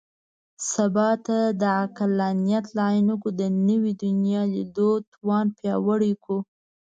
سبا ته د عقلانیت له عینکو د نوي دنیا لیدو توان پیاوړی کړو.